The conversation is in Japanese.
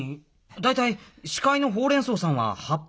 大体司会のホウレンソウさんは葉っぱでしょ？